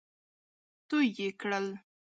تو يې کړل.